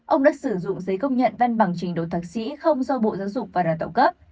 ông đã sử dụng giấy công nhận văn bằng trình độ thạc sĩ không do bộ giáo dục và đào tạo cấp